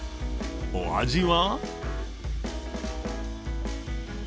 お味は？